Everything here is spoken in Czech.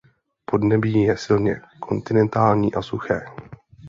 Podnebí je silně kontinentální a suché.